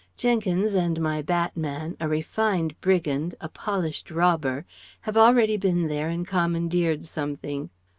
Jenkins, and my batman, a refined brigand, a polished robber, have already been there and commandeered something....